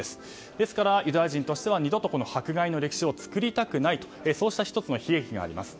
ですからユダヤ人としては二度と迫害の歴史を作りたくないと１つの悲劇があります。